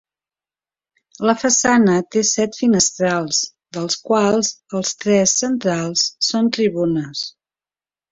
La façana té set finestrals, dels quals els tres centrals són tribunes.